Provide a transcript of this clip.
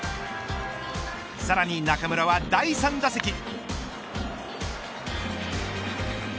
さらに中村は第３打席。